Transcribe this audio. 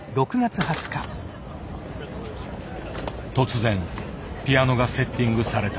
突然ピアノがセッティングされた。